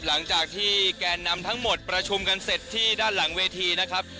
หลังจากที่แกนนำทั้งหมดประชุมกันเสร็จที่ด้านหลังเวทีนะครับ